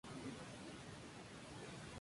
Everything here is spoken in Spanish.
No volvió a ser nombrado.